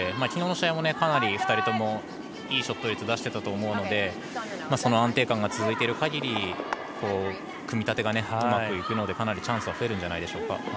昨日の試合もかなり２人ともいいショット率を出していたのでその安定感が続いている限り組み立てがうまくいくのでかなりチャンスが増えるんじゃないでしょうか。